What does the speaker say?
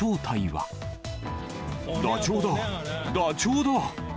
ダチョウだ、ダチョウだ！